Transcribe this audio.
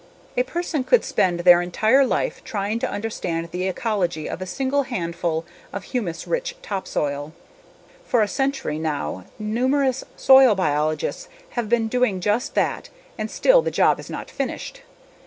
A person could spend their entire life trying to understand the ecology of a single handful of humus rich topsoil. For a century now, numerous soil biologists have been doing just that and still the job is not finished.